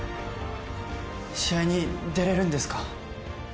試合に出れるんですか？